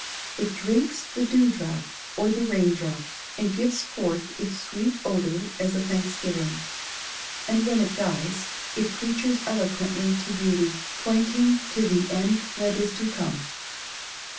It drinks the dew drop or the rain drop, and gives forth its sweet odour as a thanksgiving. And when it dies, it preaches eloquently to beauty, pointing to the end that is to come!